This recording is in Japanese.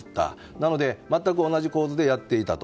なので、全く同じ構図でやっていたと。